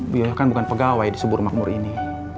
bu yoyo kan bukan pegawai di subur makmur ini